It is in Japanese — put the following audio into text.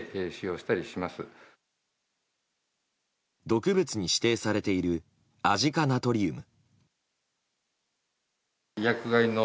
毒物に指定されているアジ化ナトリウム。